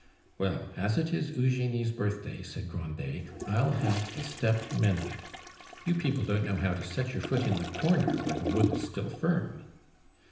"Well! as it is Eugenie's birthday," said Grandet, "I'll have the step mended. You people don't know how to set your foot in the corner where the wood is still firm."